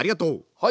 はい！